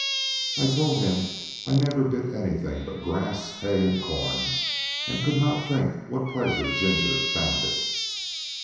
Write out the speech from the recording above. I told him I never bit anything but grass, hay, and corn, and could not think what pleasure Ginger found it.